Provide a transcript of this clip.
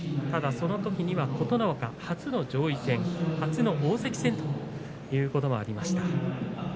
ただ、そのときには琴ノ若初の上位戦、初の大関戦ということもありました。